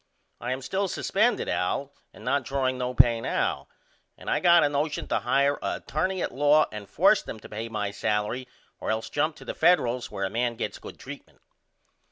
I am still suspended Al and not drawing no pay now and I got a notion to hire a attorney at law and force them to pay my salery or else jump to the Federals where a man gets good treatment.